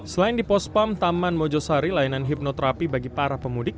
selain di pos pam taman mojo sari layanan hipnoterapi bagi para pemudik